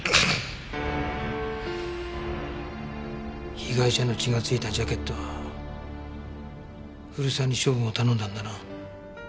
被害者の血が付いたジャケットは古沢に処分を頼んだんだな？